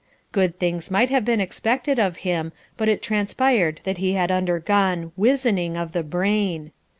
Good things might have been expected of him, but it transpired that he had undergone "wizening of the brain."